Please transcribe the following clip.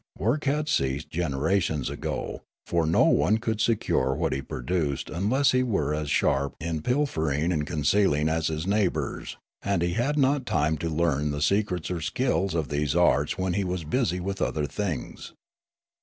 Work had ceased gen erations ago, for no one could secure what he produced unless he were as sharp in pilfering and concealing as his neighbours ; and he had not time to learn the secrets or the skill of these arts when he was busy with other things.